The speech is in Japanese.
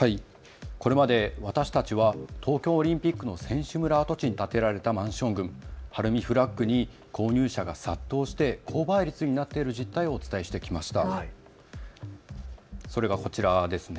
これまで私たちは東京オリンピックの選手村跡地に建てられたマンション群、晴海フラッグに購入者が殺到して高倍率になっている実態をお伝えしてきました。